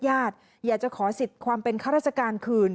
อยากจะขอสิทธิ์ความเป็นข้าราชการคืน